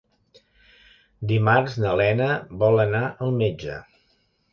Dimarts na Lena vol anar al metge.